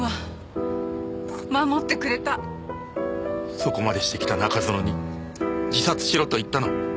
そこまでしてきた中園に自殺しろと言ったの？